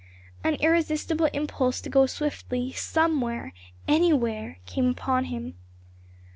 An irresistible impulse to go swiftly somewhere anywhere came upon him.